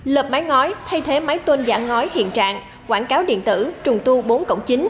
lập mái ngói thay thế mái tôn giả ngói hiện trạng quảng cáo điện tử trùng tu bốn cộng chín